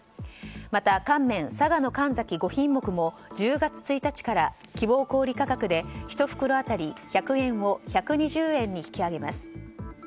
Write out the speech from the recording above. また乾麺、佐賀の神埼５品目も１０月１日から希望小売価格で１袋当たり１００円を１２０円に引き上げます。